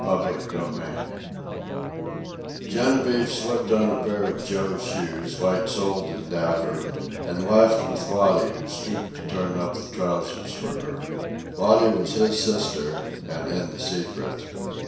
CHAPTER III Genevieve slipped on a pair of Joe's shoes, light soled and dapper, and laughed with Lottie, who stooped to turn up the trousers for her. Lottie was his sister, and in the secret.